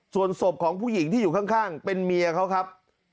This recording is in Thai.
ส่วนศพของผู้หญิงที่อยู่ข้างเป็นเมียเขาครับ